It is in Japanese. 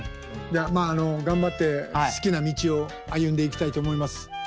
まああの頑張って好きな道を歩んでいきたいと思います。